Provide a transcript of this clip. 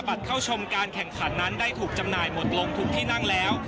เข้าชมการแข่งขันนั้นได้ถูกจำหน่ายหมดลงทุกที่นั่งแล้ว